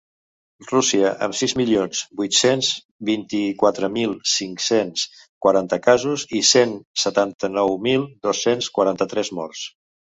Rússia, amb sis milions vuit-cents vint-i-quatre mil cinc-cents quaranta casos i cent setanta-nou mil dos-cents quaranta-tres morts.